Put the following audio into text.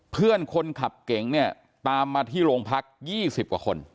เพื่อนคนขับเก๋งเนี่ยตามมาที่โรงพัก๒๐กว่าคน